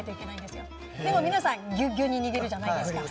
でも皆さんぎゅうぎゅうに握るじゃないですか。